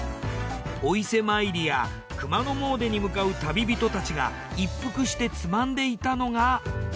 お伊勢参りや熊野詣でに向かう旅人たちが一服してつまんでいたのが。